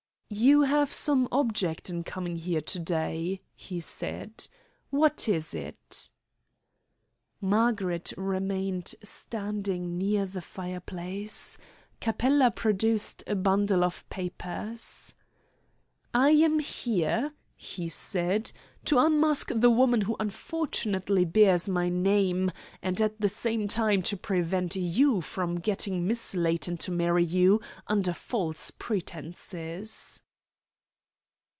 "You have some object in coming here to day," he said. "What is it?" Margaret remained standing near the fire place. Capella produced a bundle of papers. "I am here," he said, "to unmask the woman who unfortunately bears my name, and at the same time to prevent you from getting Miss Layton to marry you under false pretences."